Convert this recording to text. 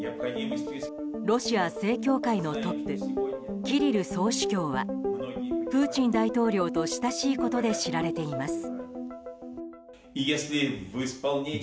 ロシア正教会のトップキリル総主教はプーチン大統領と親しいことで知られています。